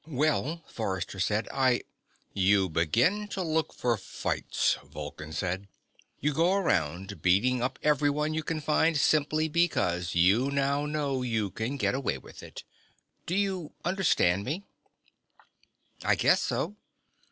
"Well," Forrester said, "I " "You begin to look for fights," Vulcan said. "You go around beating up everyone you can find, simply because you now know you can get away with it. Do you understand me?" "I guess so."